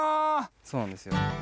そうなんですよ。